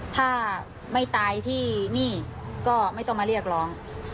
ถ้าไม่ตายที่นี่ก็ไม่ต้องมาเรียกร้อง